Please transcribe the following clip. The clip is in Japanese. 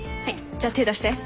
じゃあ手出して。